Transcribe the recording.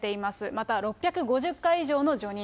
また６５０回以上の叙任。